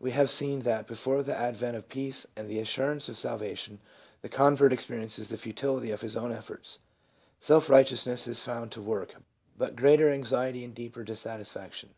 We have seen that before the advent of peace and the assurance of salvation, theconvert experiences the futility of his own efforts: "self righteousness" is found to work but greater anxiety and deeper dissatisfaction.